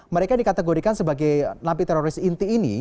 mereka dikategorikan sebagai napi teroris inti ini